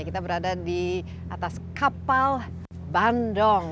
kita berada di atas kapal bandung